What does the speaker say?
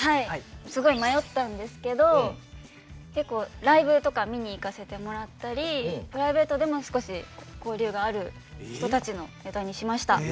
すごい迷ったんですけど結構ライブとか見に行かせてもらったりプライベートでも少し交流がある人たちのネタにしました。